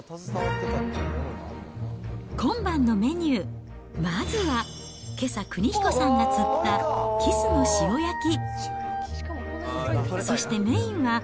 今晩のメニュー、まずはけさ邦彦さんが釣ったキスの塩焼き。